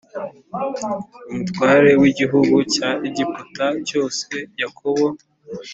mutware w igihugu cya Egiputa cyose Yakobo